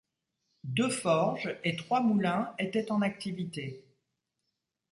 Deux forges et trois moulins étaient en activité.